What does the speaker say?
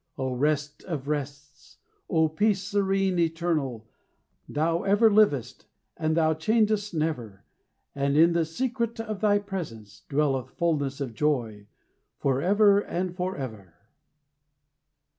O, rest of rests! O, peace serene, eternal! THOU ever livest; and thou changest never; And in the secret of thy presence dwelleth Fulness of joy forever and forever.